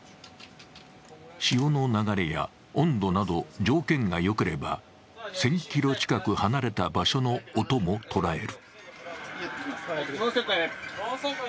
潮の流れや温度など条件がよければ１０００ｋｍ近く離れた場所の音も捉える。